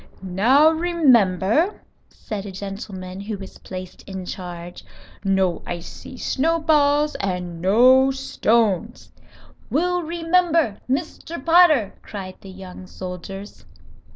"Now, remember," said a gentleman who was placed in charge. "No icy snowballs and no stones." "We'll remember, Mr. Potter," cried the young soldiers.